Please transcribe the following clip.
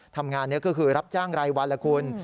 ทำงานนี้ก็คือรับจ้างรายวันละคุณ